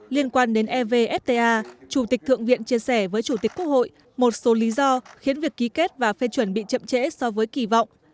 liên quan đến evfta chủ tịch thượng viện chia sẻ với chủ tịch quốc hội một số lý do khiến việc ký kết và phê chuẩn bị chậm trễ so với kỳ vọng